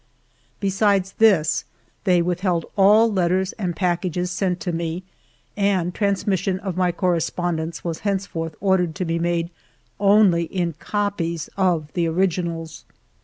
Besides this, they with held all letters and packages sent to me ; and transmission of my correspondence was hence forth ordered to be made only in copies of the originals.